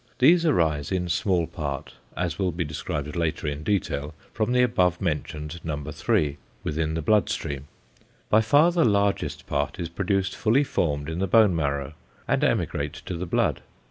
These arise in small part, as will be described later in detail, from the above mentioned No. 3, within the blood stream. By far the larger part is produced fully formed in the bone marrow, and emigrate to the blood.